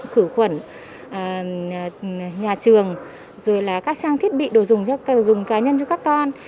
khử quẩn nhà trường rồi là các trang thiết bị đồ dùng cá nhân cho các con